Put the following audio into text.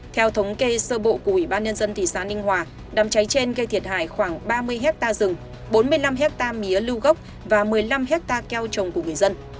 theo thống kê sơ bộ của ủy ban nhân dân thị xã ninh hòa đám cháy trên gây thiệt hại khoảng ba mươi hectare rừng bốn mươi năm hectare mía lưu gốc và một mươi năm hectare keo trồng của người dân